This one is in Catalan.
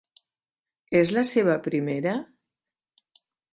És la seva primera.?